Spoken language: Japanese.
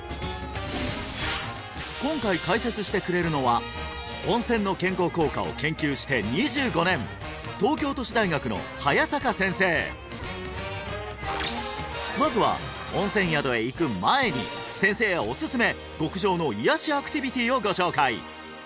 今回解説してくれるのは温泉の健康効果を研究して２５年東京都市大学の早坂先生まずは温泉宿へ行く前に先生おすすめ極上の癒やしアクティビティをご紹介！